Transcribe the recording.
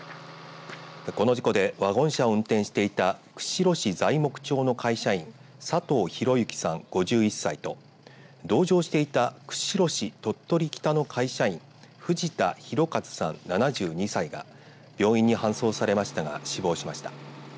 この事故でワゴン車を運転していた釧路市材木町の会社員佐藤弘幸さん、５１歳と同乗していた釧路市鳥取北の会社員藤田寛一さん、７２歳が病院に搬送されましたが死亡しました。